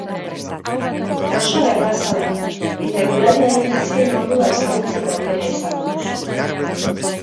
Oso erraza da, eta eguraldiaren azken ordua ezagutzeko aukera izango duzu.